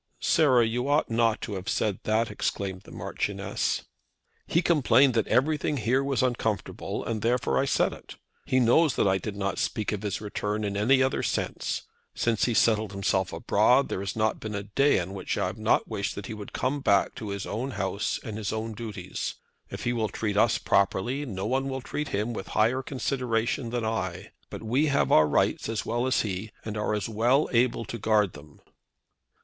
"Sarah, you ought not to have said that," exclaimed the Marchioness. "He complained that everything here was uncomfortable, and therefore I said it. He knows that I did not speak of his return in any other sense. Since he settled himself abroad there has not been a day on which I have not wished that he would come back to his own house and his own duties. If he will treat us properly, no one will treat him with higher consideration than I. But we have our own rights as well as he, and are as well able to guard them."